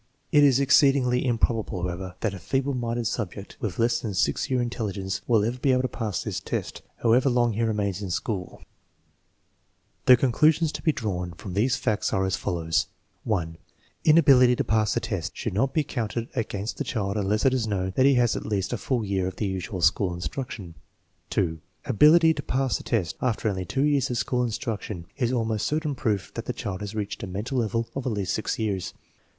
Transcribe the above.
It is exceedingly improbable, however, that a feeble minded subject with less than 6 year intelligence will ever be able to pass this test, how ever long he remains in school. 1 See scoring card for samples of satisfactory and unsatisfactory per formances. TEST NO. VET, ALTEENATIVE 2 233 The conclusions to be drawn from these facts are as fol lows: (1) Inability to pass the test should not be counted against the child unless it is known that he has had at least a full year of the usual school instruction. () Ability to pass the test after only two years of school instruction is almost certain proof that the child has reached a mental level of at least 6 years.